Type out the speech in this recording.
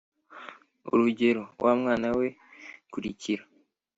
urugero: wa mwana we, kurikira